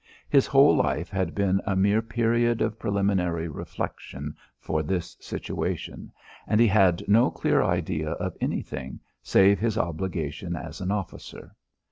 His whole life had been a mere period of preliminary reflection for this situation, and he had no clear idea of anything save his obligation as an officer.